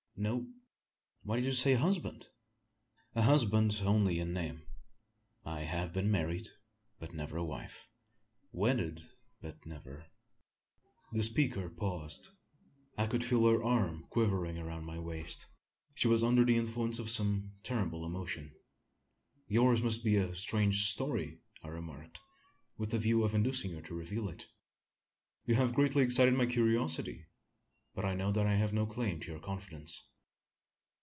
"No." "Why did you say husband!" "A husband only in name. I have been married, but never a wife; wedded, but never " The speaker paused. I could feel her arm quivering around my waist. She was under the influence of some terrible emotion! "Yours must be a strange story?" I remarked, with a view of inducing her to reveal it. "You have greatly excited my curiosity; but I know that I have no claim to your confidence."